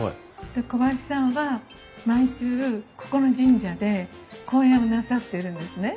で小林さんは毎週ここの神社で公演をなさってるんですね。